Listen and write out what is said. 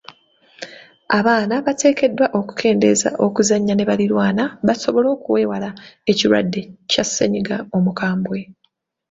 Abaana bateekeddwa okukendeeze okuzannya ne baliraanwa basobole okwewala ekirwadde kya ssennyiga omukambwe.